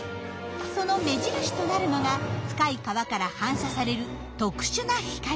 その目印となるのが深い川から反射される特殊な光。